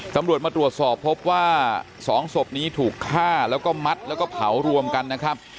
ตำรวจมาตรวจสอบพบว่า๒ศพนี้ถูกฆ่าแล้วก็มัดแล้วก็เผารวมกันนะครับ